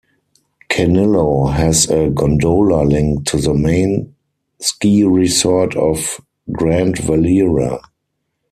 Canillo has a gondola link to the main ski resort of Grandvalira.